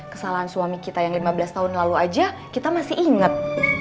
kesalahan suami kita yang lima belas tahun lalu aja kita masih ingat